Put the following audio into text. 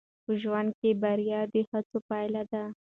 په ژوند کې بریا د هڅو پایله ده.